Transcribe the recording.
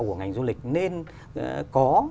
của ngành du lịch nên có